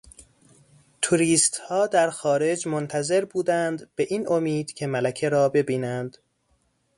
توریستها در خارج منتظر بودند به این امید که ملکه را ببینند.